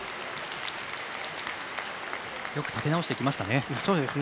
よく立て直してきましたね。